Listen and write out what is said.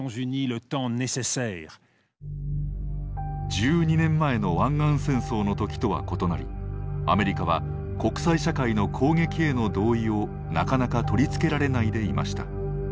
１２年前の湾岸戦争の時とは異なりアメリカは国際社会の攻撃への同意をなかなか取り付けられないでいました。